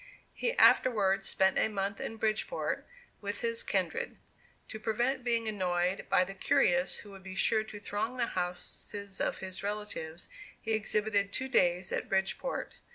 He afterwards spent a month in Bridgeport, with his kindred. To prevent being annoyed by the curious, who would be sure to throng the houses of his relatives, he exhibited two days at Bridgeport.